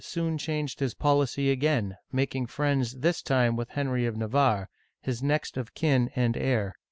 soon changed his policy again, making friends this time with Henry of Navarre, his next of kin and heir.